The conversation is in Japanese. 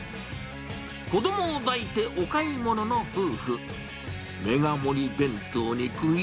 子どもを抱いてお買い物の夫婦。